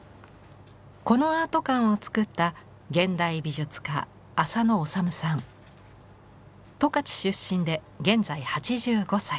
このアート館を作った十勝出身で現在８５歳。